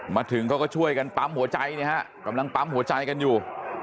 มาถึงเขาก็ช่วยกันปั๊มหัวใจเนี่ยฮะกำลังปั๊มหัวใจกันอยู่